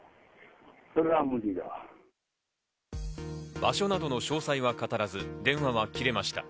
場所などの詳細は語らず、電話は切れました。